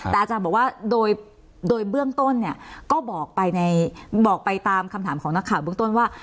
แต่อาจารย์บอกว่าโดยเบื้องต้นเนี่ยก็บอกไปตามคำถามของนักข่าวเบื้องต้นว่า